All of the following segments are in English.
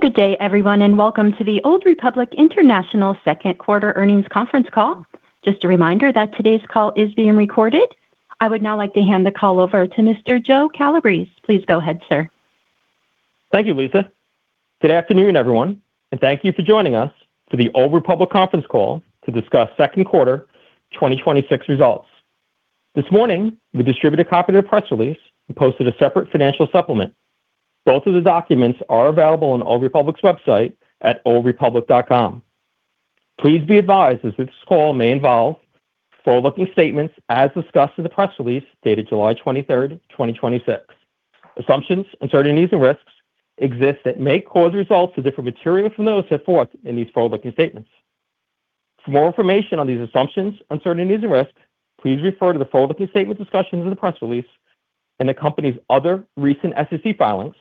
Good day everyone, and welcome to the Old Republic International second quarter earnings conference call. Just a reminder that today's call is being recorded. I would now like to hand the call over to Mr. Joe Calabrese. Please go ahead, sir. Thank you, Lisa. Good afternoon, everyone, and thank you for joining us for the Old Republic conference call to discuss second quarter 2026 results. This morning, we distributed a copy of the press release and posted a separate financial supplement. Both of the documents are available on Old Republic's website at oldrepublic.com. Please be advised that this call may involve forward-looking statements as discussed in the press release dated July 23rd, 2026. Assumptions, uncertainties, and risks exist that may cause results to differ materially from those set forth in these forward-looking statements. For more information on these assumptions, uncertainties, and risks, please refer to the forward-looking statement discussions in the press release and the company's other recent SEC filings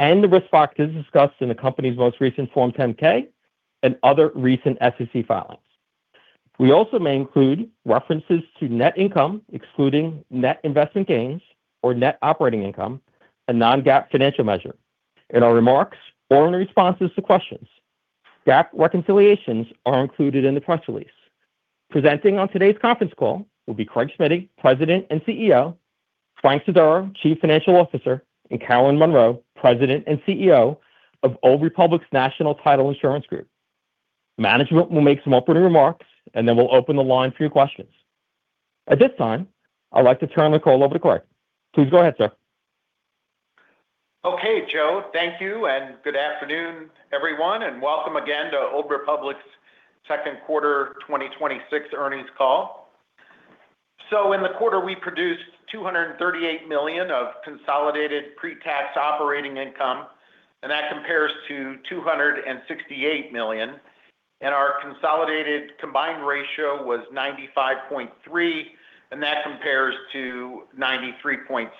and the risk factors discussed in the company's most recent Form 10-K and other recent SEC filings. We also may include references to net income excluding net investment gains or net operating income, a non-GAAP financial measure, in our remarks or in responses to questions. GAAP reconciliations are included in the press release. Presenting on today's conference call will be Craig Smiddy, President and CEO, Frank Sodaro, Chief Financial Officer, and Carolyn Monroe, President and CEO of Old Republic National Title Insurance Group. Management will make some opening remarks, and then we'll open the line for your questions. At this time, I'd like to turn the call over to Craig. Please go ahead, sir. Joe. Thank you, and good afternoon everyone, and welcome again to Old Republic's second quarter 2026 earnings call. In the quarter, we produced $238 million of consolidated pre-tax operating income, and that compares to $268 million. Our consolidated combined ratio was 95.3%, and that compares to 93.6%.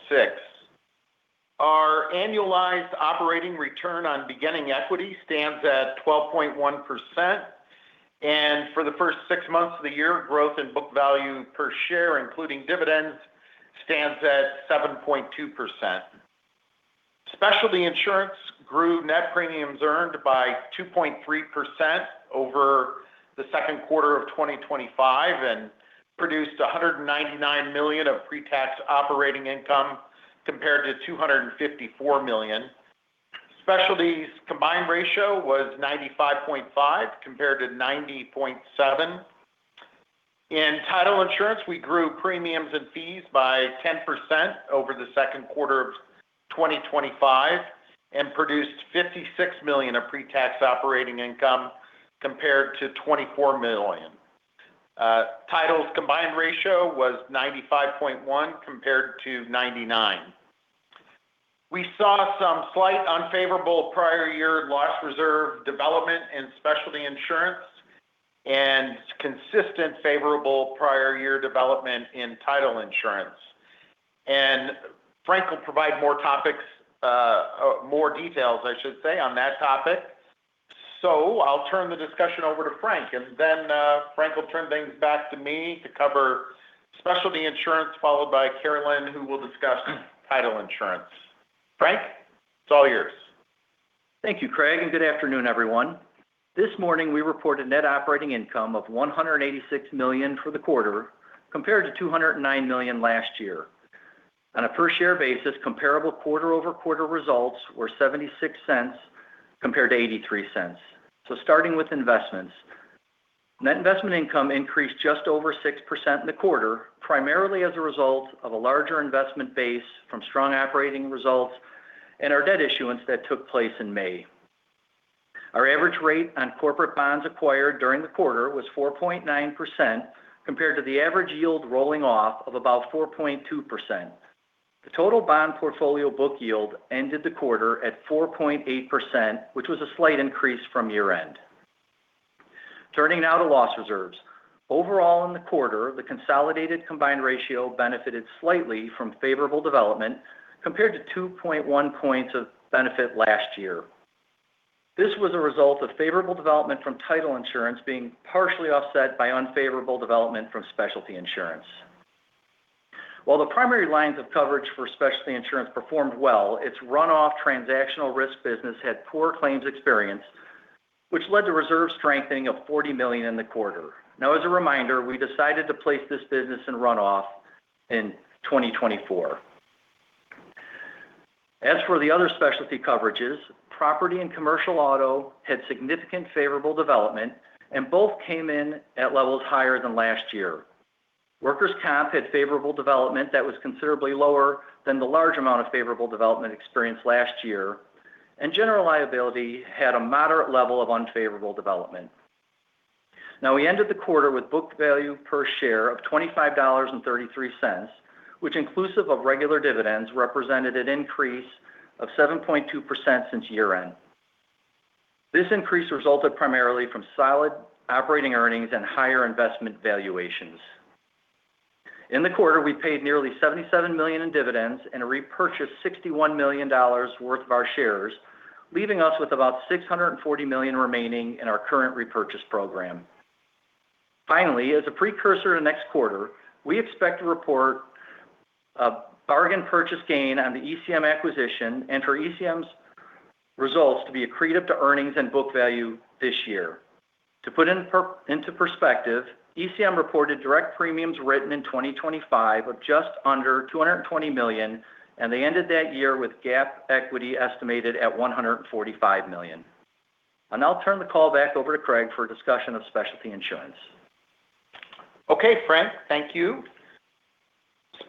Our annualized operating return on beginning equity stands at 12.1%, and for the first six months of the year, growth in book value per share, including dividends, stands at 7.2%. Specialty insurance grew net premiums earned by 2.3% over the second quarter of 2025 and produced $199 million of pre-tax operating income compared to $254 million. Specialty's combined ratio was 95.5% compared to 90.7%. In title insurance, we grew premiums and fees by 10% over the second quarter of 2025 and produced $56 million of pre-tax operating income compared to $24 million. Title's combined ratio was 95.1% compared to 99%. We saw some slight unfavorable prior year loss reserve development in specialty insurance and consistent favorable prior year development in title insurance. Frank will provide more details on that topic. I'll turn the discussion over to Frank will turn things back to me to cover specialty insurance, followed by Carolyn, who will discuss title insurance. Frank, it's all yours. Thank you, Craig, and good afternoon, everyone. This morning, we reported net operating income of $186 million for the quarter compared to $209 million last year. On a per-share basis, comparable quarter-over-quarter results were $0.76 compared to $0.83. Starting with investments. Net investment income increased just over 6% in the quarter, primarily as a result of a larger investment base from strong operating results and our debt issuance that took place in May. Our average rate on corporate bonds acquired during the quarter was 4.9% compared to the average yield rolling off of about 4.2%. The total bond portfolio book yield ended the quarter at 4.8%, which was a slight increase from year-end. Turning now to loss reserves. Overall in the quarter, the consolidated combined ratio benefited slightly from favorable development compared to 2.1 points of benefit last year. This was a result of favorable development from title insurance being partially offset by unfavorable development from specialty insurance. While the primary lines of coverage for specialty insurance performed well, its runoff transactional risk business had poor claims experience, which led to reserve strengthening of $40 million in the quarter. As a reminder, we decided to place this business in runoff in 2024. As for the other specialty coverages, property and commercial auto had significant favorable development, both came in at levels higher than last year. Workers' comp had favorable development that was considerably lower than the large amount of favorable development experienced last year, and general liability had a moderate level of unfavorable development. We ended the quarter with book value per share of $25.33, which inclusive of regular dividends, represented an increase of 7.2% since year-end. This increase resulted primarily from solid operating earnings and higher investment valuations. In the quarter, we paid nearly $77 million in dividends and repurchased $61 million worth of our shares, leaving us with about $640 million remaining in our current repurchase program. Finally, as a precursor to next quarter, we expect to report a bargain purchase gain on the ECM acquisition and for ECM's results to be accretive to earnings and book value this year. To put into perspective, ECM reported direct premiums written in 2025 of just under $220 million, and they ended that year with GAAP equity estimated at $145 million. I'll now turn the call back over to Craig for a discussion of specialty insurance. Okay, Frank. Thank you.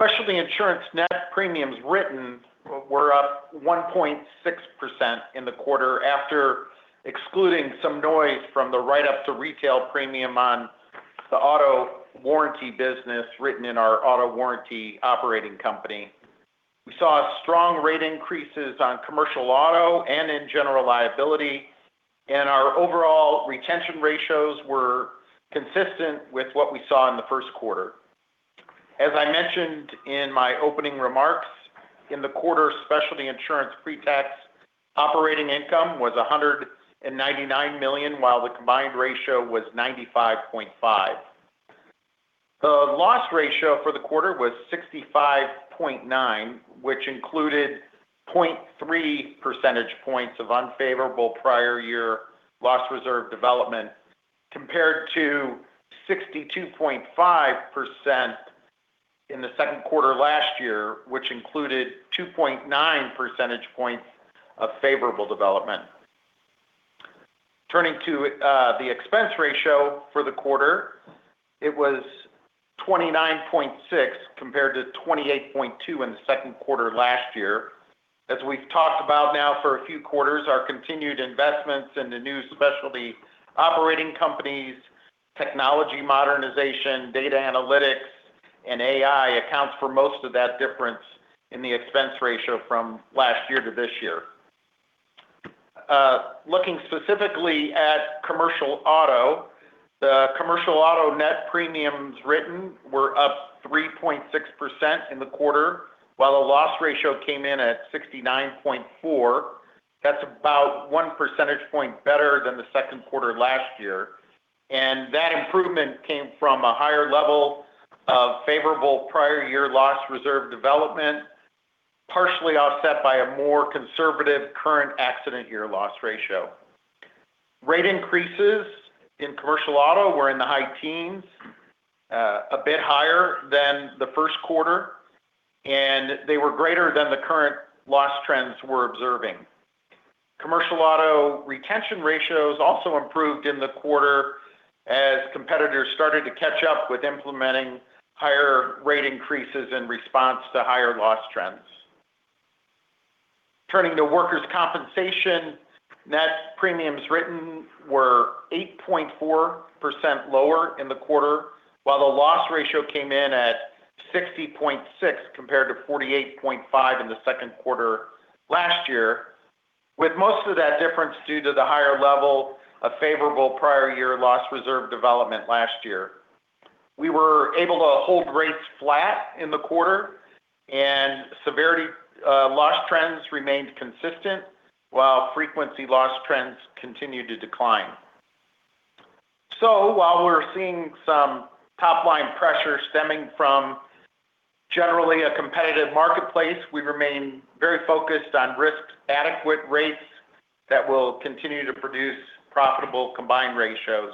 Specialty insurance net premiums written were up 1.6% in the quarter after excluding some noise from the write-up to retail premium on the auto warranty business written in our auto warranty operating company. We saw strong rate increases on commercial auto and in general liability, and our overall retention ratios were consistent with what we saw in the first quarter. As I mentioned in my opening remarks, in the quarter, specialty insurance pre-tax operating income was $199 million, while the combined ratio was 95.5%. The loss ratio for the quarter was 65.9%, which included 0.3 percentage points of unfavorable prior year loss reserve development, compared to 62.5% in the second quarter last year, which included 2.9 percentage points of favorable development. Turning to the expense ratio for the quarter, it was 29.6% compared to 28.2% in the second quarter last year. We've talked about now for a few quarters, our continued investments in the new specialty operating companies, technology modernization, data analytics, and AI accounts for most of that difference in the expense ratio from last year to this year. Looking specifically at commercial auto, the commercial auto net premiums written were up 3.6% in the quarter, while the loss ratio came in at 69.4%. That's about 1 percentage point better than the second quarter last year. That improvement came from a higher level of favorable prior year loss reserve development, partially offset by a more conservative current accident year loss ratio. Rate increases in commercial auto were in the high teens, a bit higher than the first quarter, and they were greater than the current loss trends we're observing. Commercial auto retention ratios also improved in the quarter as competitors started to catch up with implementing higher rate increases in response to higher loss trends. Turning to workers' compensation, net premiums written were 8.4% lower in the quarter, while the loss ratio came in at 60.6% compared to 48.5% in the second quarter last year, with most of that difference due to the higher level of favorable prior year loss reserve development last year. We were able to hold rates flat in the quarter, and severity loss trends remained consistent while frequency loss trends continued to decline. While we're seeing some top-line pressure stemming from generally a competitive marketplace, we remain very focused on risk-adequate rates that will continue to produce profitable combined ratios.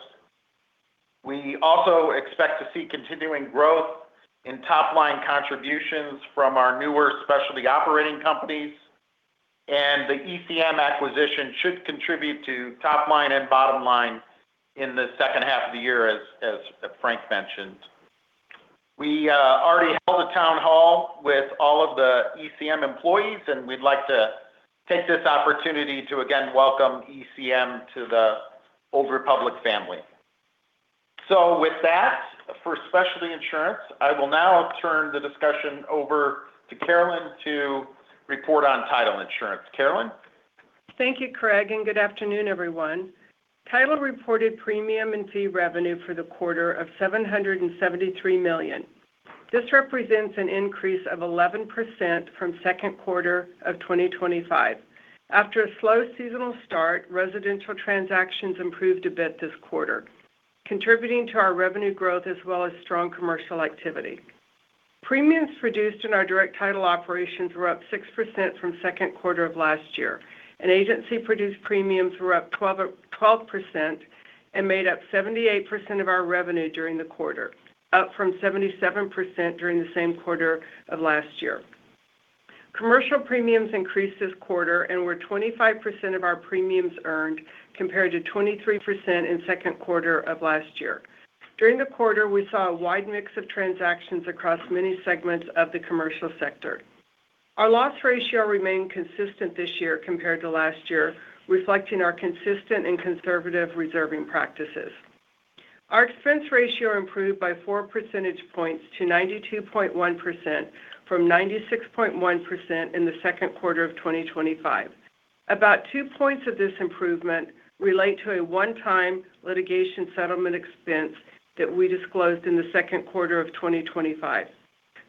We also expect to see continuing growth in top-line contributions from our newer specialty operating companies, and the ECM acquisition should contribute to top line and bottom line in the second half of the year as Frank mentioned. We already held a town hall with all of the ECM employees, and we'd like to take this opportunity to again welcome ECM to the Old Republic family. With that, for specialty insurance, I will now turn the discussion over to Carolyn to report on title insurance. Carolyn? Thank you, Craig, and good afternoon, everyone. Title reported premium and fee revenue for the quarter of $773 million. This represents an increase of 11% from second quarter of 2025. After a slow seasonal start, residential transactions improved a bit this quarter, contributing to our revenue growth as well as strong commercial activity. Premiums produced in our direct title operations were up 6% from second quarter of last year, agency-produced premiums were up 12% and made up 78% of our revenue during the quarter, up from 77% during the same quarter of last year. Commercial premiums increased this quarter and were 25% of our premiums earned compared to 23% in second quarter of last year. During the quarter, we saw a wide mix of transactions across many segments of the commercial sector. Our loss ratio remained consistent this year compared to last year, reflecting our consistent and conservative reserving practices. Our expense ratio improved by 4 percentage points to 92.1% from 96.1% in the second quarter of 2025. About 2 points of this improvement relate to a one-time litigation settlement expense that we disclosed in the second quarter of 2025.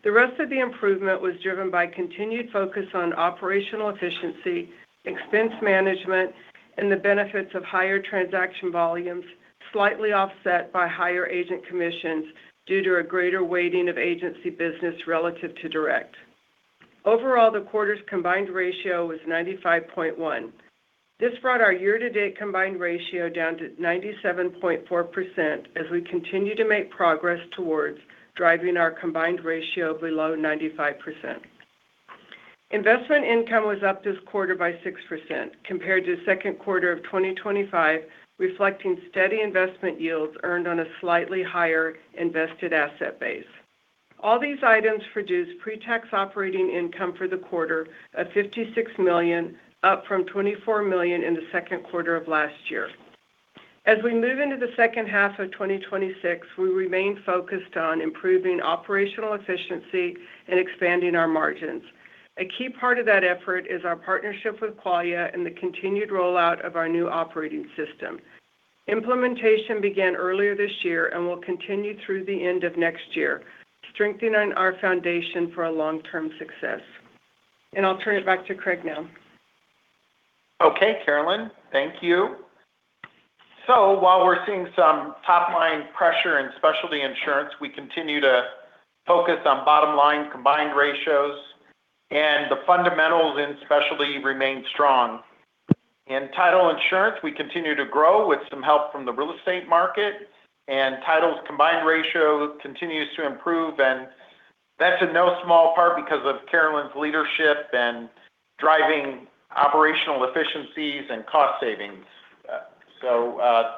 The rest of the improvement was driven by continued focus on operational efficiency, expense management, and the benefits of higher transaction volumes, slightly offset by higher agent commissions due to a greater weighting of agency business relative to direct. Overall, the quarter's combined ratio was 95.1%. This brought our year-to-date combined ratio down to 97.4% as we continue to make progress towards driving our combined ratio below 95%. Investment income was up this quarter by 6% compared to the second quarter of 2025, reflecting steady investment yields earned on a slightly higher invested asset base. All these items produced pre-tax operating income for the quarter of $56 million, up from $24 million in the second quarter of last year. As we move into the second half of 2026, we remain focused on improving operational efficiency and expanding our margins. A key part of that effort is our partnership with Qualia and the continued rollout of our new operating system. Implementation began earlier this year and will continue through the end of next year, strengthening our foundation for our long-term success. I'll turn it back to Craig now. Okay, Carolyn. Thank you. While we're seeing some top-line pressure in specialty insurance, we continue to focus on bottom-line combined ratios and the fundamentals in specialty remain strong. In title insurance, we continue to grow with some help from the real estate market, title's combined ratio continues to improve. That's in no small part because of Carolyn's leadership in driving operational efficiencies and cost savings.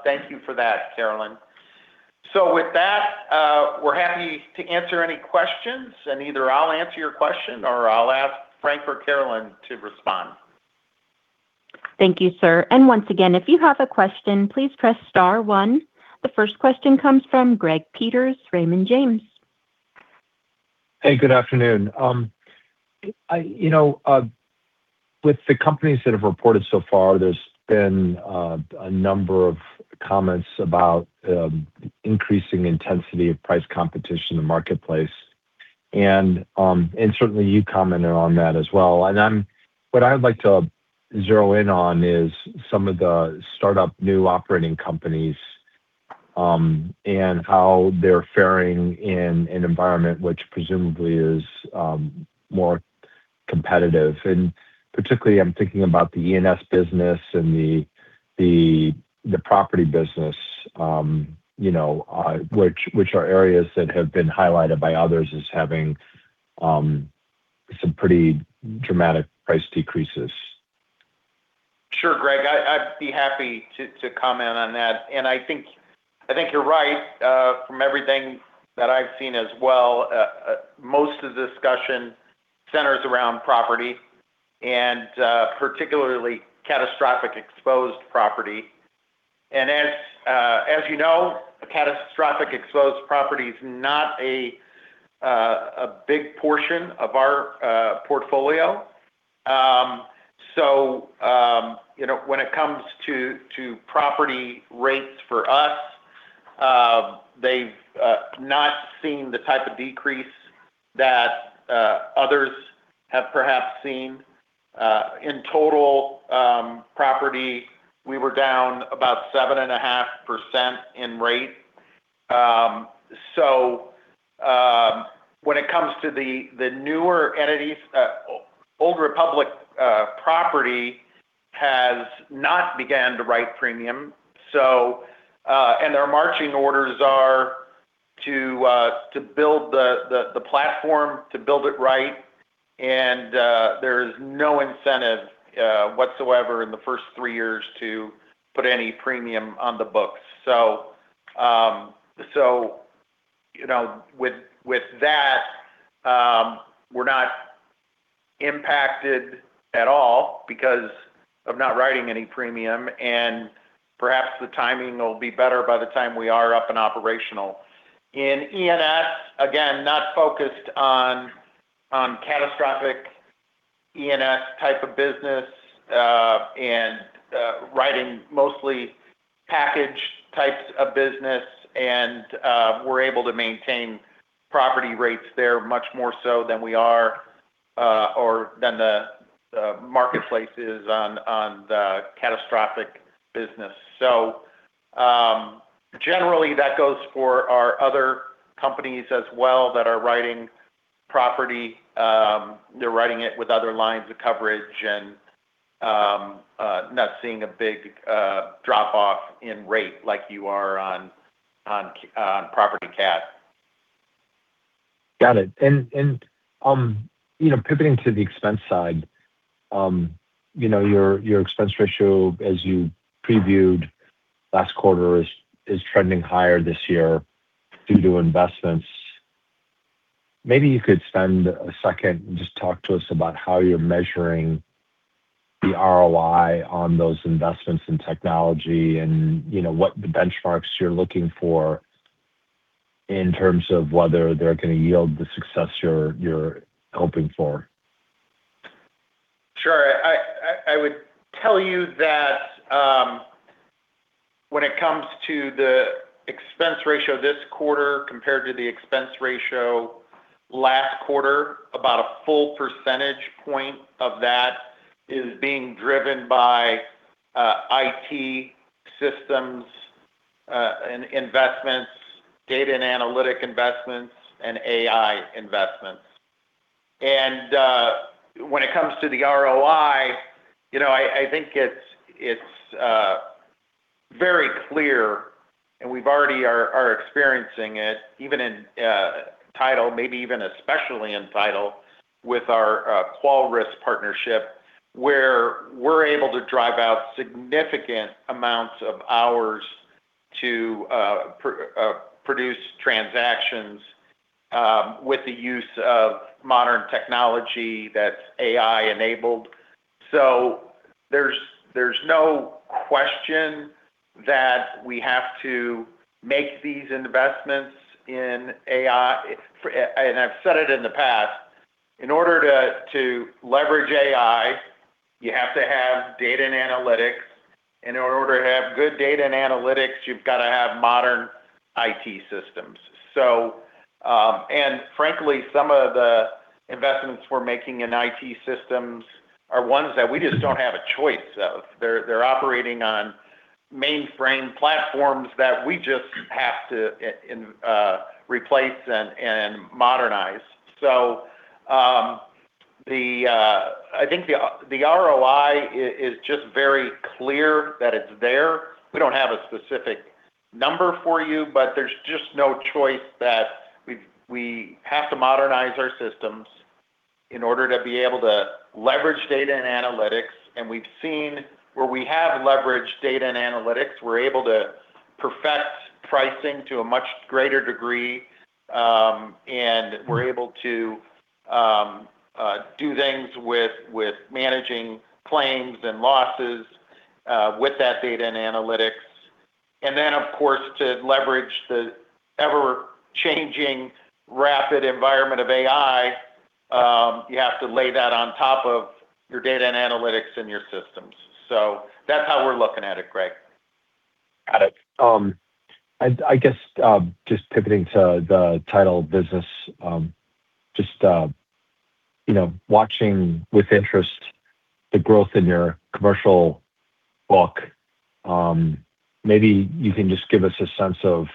Thank you for that, Carolyn. With that, we're happy to answer any questions, either I'll answer your question or I'll ask Frank or Carolyn to respond. Thank you, sir. Once again, if you have a question, please press star one. The first question comes from Greg Peters, Raymond James. Hey, good afternoon. With the companies that have reported so far, there's been a number of comments about increasing intensity of price competition in the marketplace, certainly you commented on that as well. What I would like to zero in on is some of the startup new operating companies and how they're faring in an environment which presumably is more competitive. Particularly I'm thinking about the E&S business and the property business, which are areas that have been highlighted by others as having some pretty dramatic price decreases. Sure, Greg. I'd be happy to comment on that. I think you're right. From everything that I've seen as well, most of the discussion centers around property and particularly catastrophic exposed property. As you know, catastrophic exposed property is not a big portion of our portfolio. When it comes to property rates for us, they've not seen the type of decrease that others have perhaps seen. In total property, we were down about 7.5% in rate. When it comes to the newer entities, Old Republic Property has not began to write premium. Their marching orders are to build the platform, to build it right, and there's no incentive whatsoever in the first three years to put any premium on the books. With that, we're not impacted at all because of not writing any premium, perhaps the timing will be better by the time we are up and operational. In E&S, again, not focused on catastrophic E&S type of business and writing mostly package types of business, we're able to maintain property rates there much more so than the marketplace is on the catastrophic business. Generally, that goes for our other companies as well that are writing property. They're writing it with other lines of coverage and not seeing a big drop-off in rate like you are on property cat. Pivoting to the expense side, your expense ratio, as you previewed last quarter, is trending higher this year due to investments. Maybe you could spend a second and just talk to us about how you're measuring the ROI on those investments in technology and what benchmarks you're looking for in terms of whether they're going to yield the success you're hoping for. Sure. I would tell you that when it comes to the expense ratio this quarter compared to the expense ratio last quarter, about a full percentage point of that is being driven by IT systems and investments, data and analytic investments, and AI investments. When it comes to the ROI, I think it's very clear and we've already are experiencing it, even in title, maybe even especially in title with our [QualRisk] partnership, where we're able to drive out significant amounts of hours to produce transactions with the use of modern technology that's AI enabled. There's no question that we have to make these investments in AI. I've said it in the past, in order to leverage AI, you have to have data and analytics. In order to have good data and analytics, you've got to have modern IT systems. Frankly, some of the investments we're making in IT systems are ones that we just don't have a choice of. They're operating on mainframe platforms that we just have to replace and modernize. I think the ROI is just very clear that it's there. We don't have a specific number for you, but there's just no choice that we have to modernize our systems in order to be able to leverage data and analytics. We've seen where we have leveraged data and analytics, we're able to perfect pricing to a much greater degree, and we're able to do things with managing claims and losses with that data and analytics. Then of course, to leverage the ever-changing rapid environment of AI, you have to lay that on top of your data and analytics in your systems. That's how we're looking at it, Greg. Got it. I guess just pivoting to the title business, just watching with interest the growth in your commercial book. Maybe you can just give us a sense of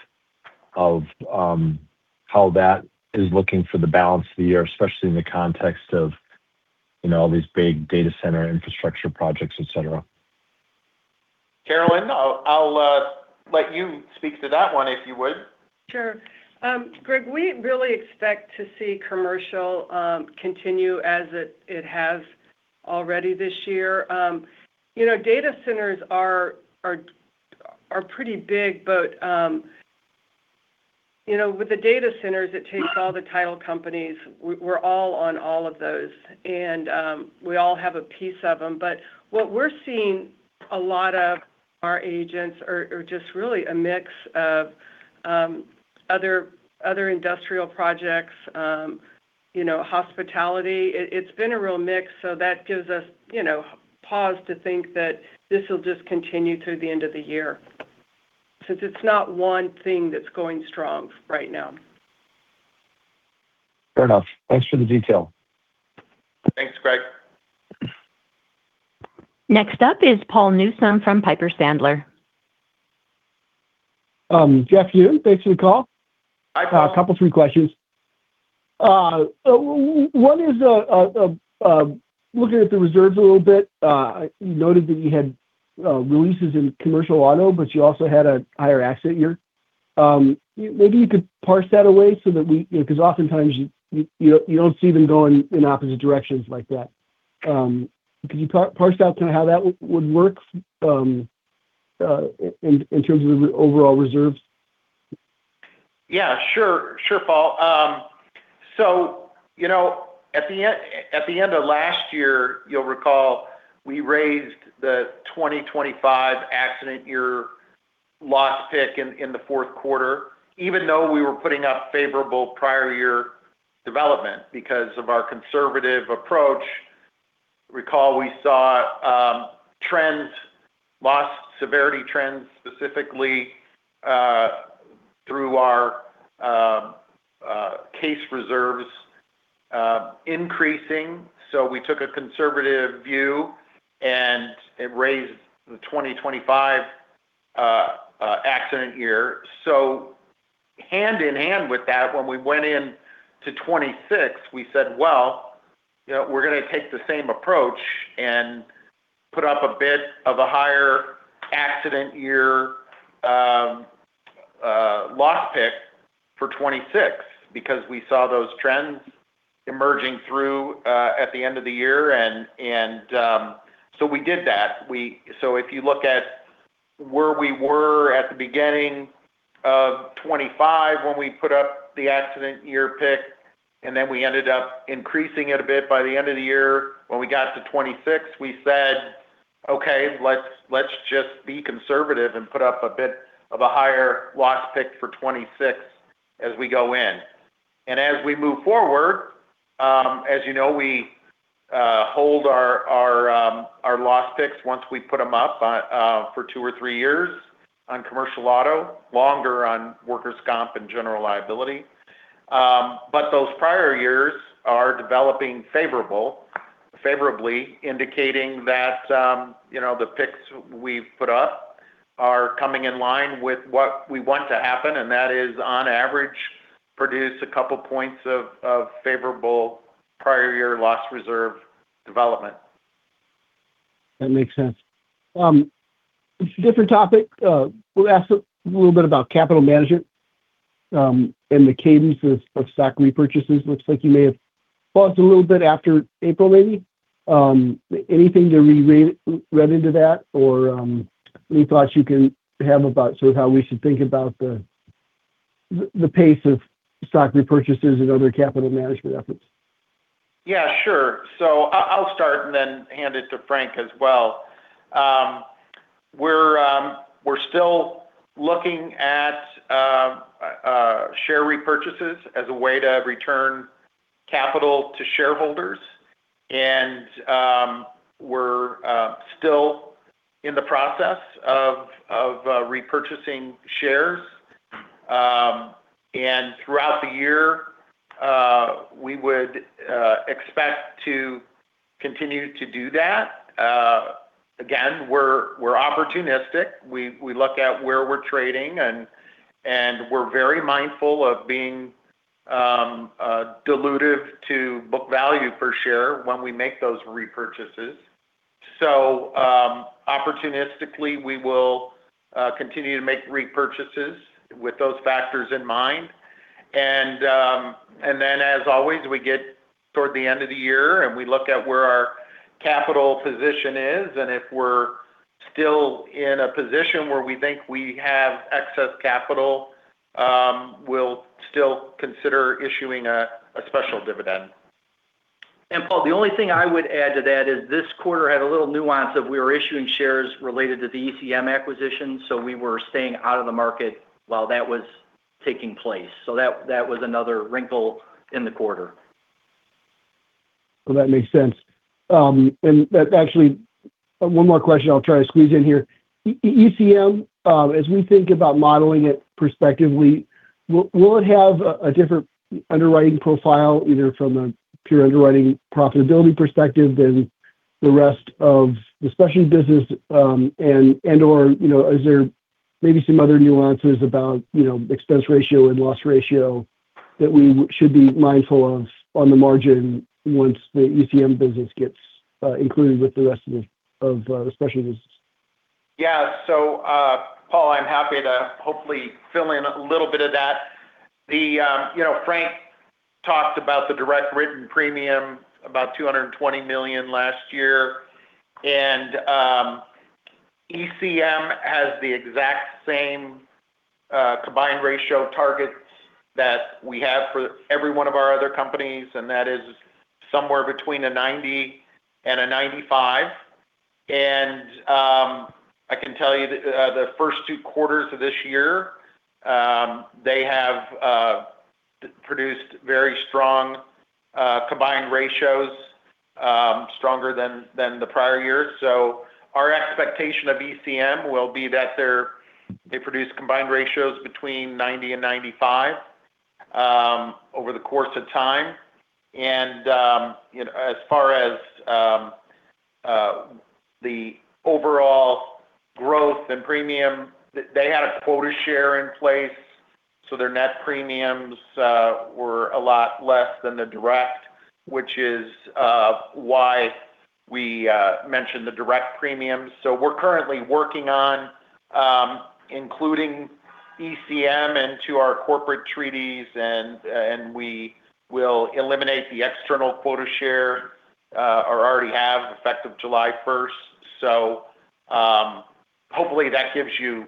how that is looking for the balance of the year, especially in the context of all these big data center infrastructure projects, et cetera. Carolyn, I'll let you speak to that one, if you would. Sure. Greg, we really expect to see commercial continue as it has already this year. Data centers are pretty big, with the data centers, it takes all the title companies. We're all on all of those, we all have a piece of them. What we're seeing a lot of our agents are just really a mix of other industrial projects, hospitality. It's been a real mix, that gives us pause to think that this will just continue through the end of the year, since it's not one thing that's going strong right now. Fair enough. Thanks for the detail. Thanks, Greg. Next up is Paul Newsome from Piper Sandler. Good afternoon, thanks for the call. Hi, Paul. A couple three questions. One is looking at the reserves a little bit, noted that you had releases in commercial auto, but you also had a higher accident year. Maybe you could parse that away so that we, because oftentimes you don't see them going in opposite directions like that. Could you parse out how that would work in terms of the overall reserves? Yeah, sure, Paul. At the end of last year, you'll recall, we raised the 2025 accident year loss pick in the fourth quarter, even though we were putting up favorable prior year development because of our conservative approach. Recall we saw trends, loss severity trends specifically, through our case reserves increasing. We took a conservative view, and it raised the 2025 accident year. Hand in hand with that, when we went in to 2026, we said, "Well, we're going to take the same approach and put up a bit of a higher accident year loss pick for 2026," because we saw those trends emerging through at the end of the year. We did that. If you look at where we were at the beginning of 2025 when we put up the accident year pick, then we ended up increasing it a bit by the end of the year. When we got to 2026, we said, "Okay, let's just be conservative and put up a bit of a higher loss pick for 2026 as we go in." As we move forward, as you know, we hold our loss picks once we put them up for two or three years on commercial auto, longer on workers' comp and general liability. Those prior years are developing favorably, indicating that the picks we've put up are coming in line with what we want to happen, and that is, on average, produce a couple points of favorable prior year loss reserve development. That makes sense. Different topic. We'll ask a little bit about capital management and the cadences of stock repurchases. Looks like you may have paused a little bit after April, maybe. Anything to read into that or any thoughts you can have about how we should think about the pace of stock repurchases and other capital management efforts? Yeah, sure. I'll start and hand it to Frank as well. We're still looking at share repurchases as a way to return capital to shareholders, we're still in the process of repurchasing shares. Throughout the year, we would expect to continue to do that. Again, we're opportunistic. We look at where we're trading, and we're very mindful of being dilutive to book value per share when we make those repurchases. Opportunistically, we will continue to make repurchases with those factors in mind. As always, we get toward the end of the year, we look at where our capital position is, if we're still in a position where we think we have excess capital, we'll still consider issuing a special dividend. Paul, the only thing I would add to that is this quarter had a little nuance of we were issuing shares related to the ECM acquisition, we were staying out of the market while that was taking place. That was another wrinkle in the quarter. Well, that makes sense. Actually, one more question I'll try to squeeze in here. ECM, as we think about modeling it prospectively, will it have a different underwriting profile, either from a pure underwriting profitability perspective than the rest of the specialty business and/or is there maybe some other nuances about expense ratio and loss ratio that we should be mindful of on the margin once the ECM business gets included with the rest of the specialty business? Yeah. Paul, I'm happy to hopefully fill in a little bit of that. Frank talked about the direct written premium, about $220 million last year. ECM has the exact same combined ratio targets that we have for every one of our other companies, and that is somewhere between a 90% and a 95%. I can tell you that the first two quarters of this year, they have produced very strong combined ratios, stronger than the prior years. Our expectation of ECM will be that they produce combined ratios between 90% and 95% over the course of time. As far as the overall growth in premium, they had a quota share in place, their net premiums were a lot less than the direct, which is why we mentioned the direct premiums. We're currently working on including ECM into our corporate treaties, and we will eliminate the external quota share, or already have, effective July 1st. Hopefully, that gives you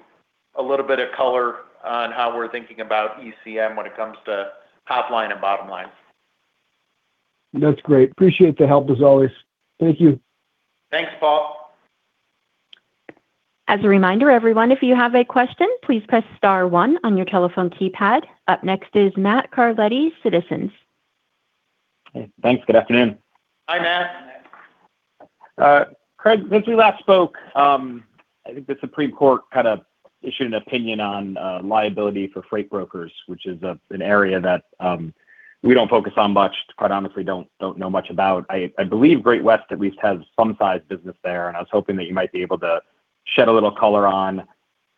a little bit of color on how we're thinking about ECM when it comes to top line and bottom line. That's great. Appreciate the help as always. Thank you. Thanks, Paul. As a reminder, everyone, if you have a question, please press star one on your telephone keypad. Up next is Matt Carletti, Citizens. Thanks. Good afternoon. Hi, Matt. Hi, Matt. Craig, since we last spoke, I think the Supreme Court issued an opinion on liability for freight brokers, which is an area that we don't focus on much, quite honestly don't know much about. I believe Great West at least has some size business there, and I was hoping that you might be able to shed a little color on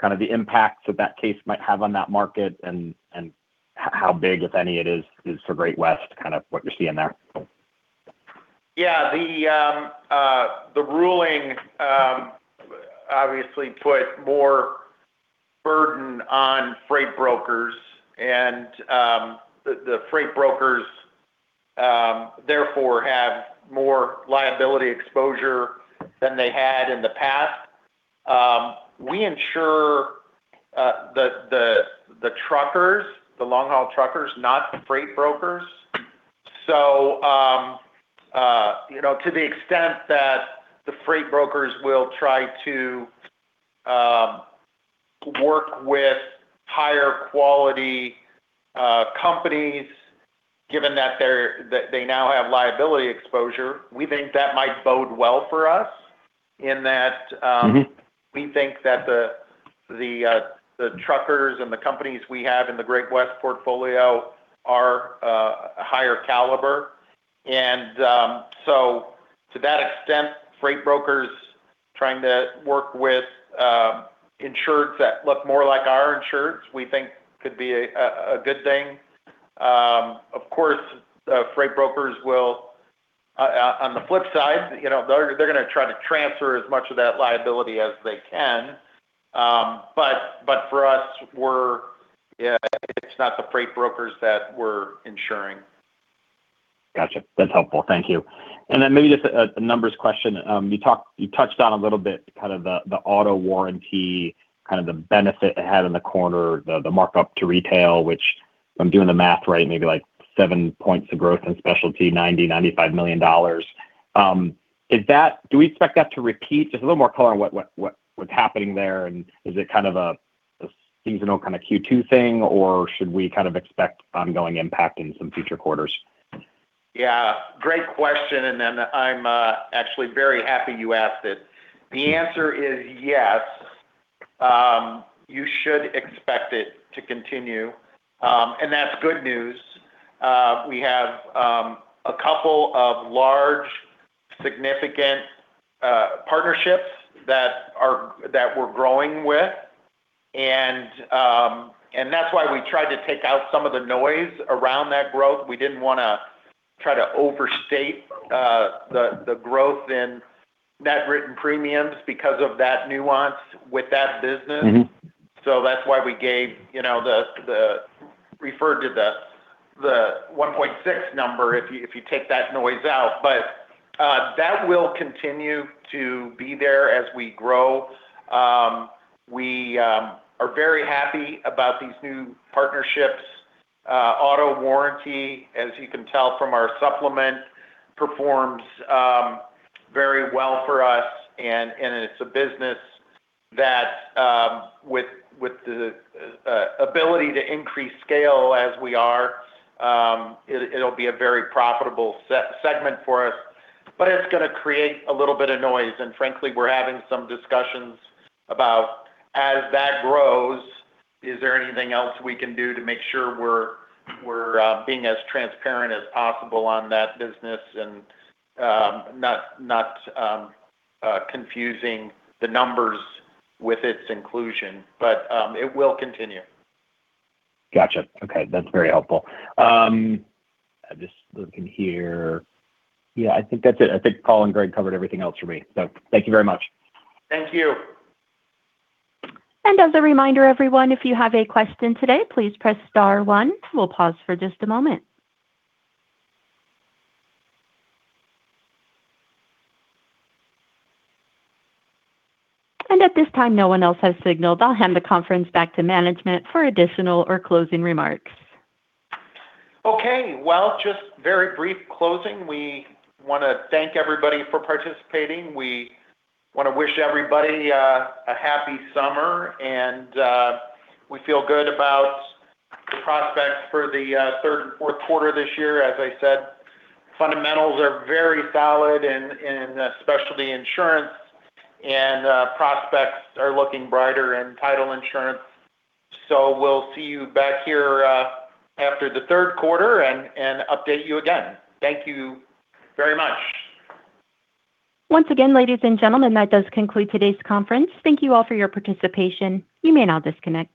the impacts that that case might have on that market and how big, if any, it is for Great West, what you're seeing there. The ruling obviously put more burden on freight brokers and the freight brokers therefore have more liability exposure than they had in the past. We insure the truckers, the long-haul truckers, not the freight brokers. To the extent that the freight brokers will try to work with higher-quality companies, given that they now have liability exposure. We think that might bode well for us in that we think that the truckers and the companies we have in the Great West portfolio are higher caliber. To that extent, freight brokers trying to work with insureds that look more like our insureds, we think could be a good thing. Freight brokers will, on the flip side, they're going to try to transfer as much of that liability as they can. For us, it's not the freight brokers that we're insuring. Got you. That's helpful. Thank you. Maybe just a numbers question. You touched on a little bit the auto warranty, the benefit it had in the quarter, the markup to retail, which if I'm doing the math right, maybe like 7 points of growth in specialty, $90 million-$95 million. Do we expect that to repeat? Just a little more color on what's happening there, is it a seasonal Q2 thing, or should we expect ongoing impact in some future quarters? Great question, I'm actually very happy you asked it. The answer is yes. You should expect it to continue. That's good news. We have a couple of large, significant partnerships that we're growing with, and that's why we tried to take out some of the noise around that growth. We didn't want to try to overstate the growth in net written premiums because of that nuance with that business. That's why we referred to the 1.6% number, if you take that noise out. That will continue to be there as we grow. We are very happy about these new partnerships. Auto warranty, as you can tell from our supplement, performs very well for us, and it's a business that with the ability to increase scale as we are, it'll be a very profitable segment for us. It's going to create a little bit of noise, and frankly, we're having some discussions about, as that grows, is there anything else we can do to make sure we're being as transparent as possible on that business and not confusing the numbers with its inclusion. It will continue. Got you. Okay. That's very helpful. I'm just looking here. I think that's it. I think Paul and Greg covered everything else for me. Thank you very much. Thank you. As a reminder, everyone, if you have a question today, please press star one. We'll pause for just a moment. At this time, no one else has signaled. I'll hand the conference back to management for additional or closing remarks. Okay. Well, just very brief closing. We want to thank everybody for participating. We want to wish everybody a happy summer. We feel good about the prospects for the third and fourth quarter this year. As I said, fundamentals are very solid in specialty insurance. Prospects are looking brighter in title insurance. We'll see you back here after the third quarter and update you again. Thank you very much. Once again, ladies and gentlemen, that does conclude today's conference. Thank you all for your participation. You may now disconnect.